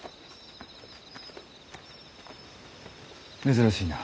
珍しいな。